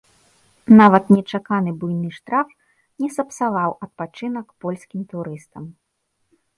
Нават нечаканы буйны штраф не сапсаваў адпачынак польскім турыстам.